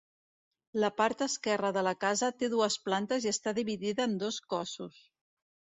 La part esquerra de la casa té dues plantes i està dividida en dos cossos.